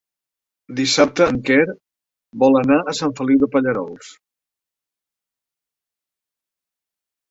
Dissabte en Quer vol anar a Sant Feliu de Pallerols.